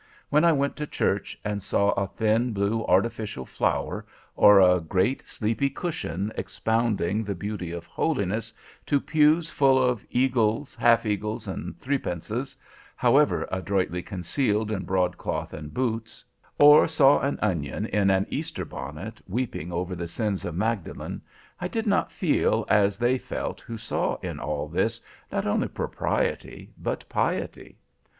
When I went to church and saw a thin, blue, artificial flower, or a great sleepy cushion expounding the beauty of holiness to pews full of eagles, half eagles, and threepences, however adroitly concealed in broadcloth and boots: or saw an onion in an Easter bonnet weeping over the sins of Magdalen, I did not feel as they felt who saw in all this, not only propriety, but piety.